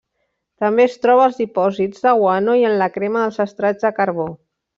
També es troba als dipòsits de guano i en la crema dels estrats de carbó.